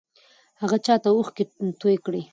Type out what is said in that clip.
هغه چا ته اوښکې توې کړې؟